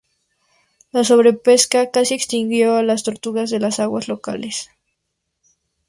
La sobrepesca casi extinguió a las tortugas de las aguas locales.